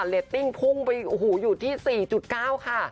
ต้องไปหูอยู่ที่๔๙ค่ะ